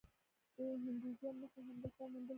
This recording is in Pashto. د هندویزم نښې هم دلته موندل شوي